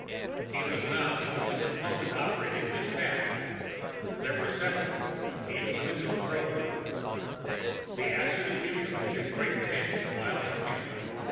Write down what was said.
He was not the only Component operating in this task; there were several, each with its own program. The acid accumulated in great tanks a mile from him.